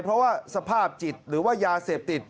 เพราะว่าสภาพจิตหรือว่ายาเสพติด